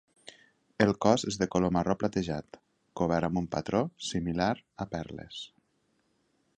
El cos és de color marró platejat, cobert amb un patró similar a perles.